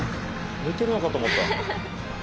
寝てるのかと思った。